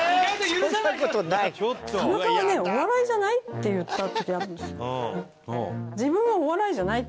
「自分はお笑いじゃない」って言った時あるの。